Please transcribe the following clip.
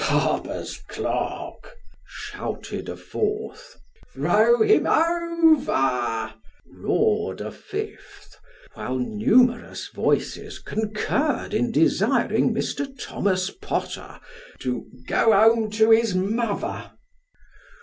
" Barber's clerk !" shouted a fourth. " Throw him o VEB !" roared a fifth ; while numerous voices concurred in desiring Mr. Thomas Potter to "go home to his mother